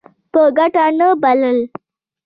په ګټه نه بلل.